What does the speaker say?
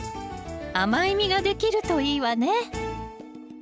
甘い実ができるといいわね。